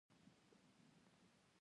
کومې ډلې به مخکښ اېتلافونه تشکیلوي.